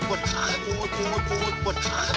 โอ้โฮปวดขา